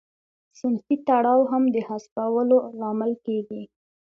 صنفي تړاو هم د حذفولو لامل کیږي.